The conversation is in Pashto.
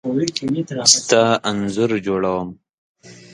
ستا انځور جوړوم .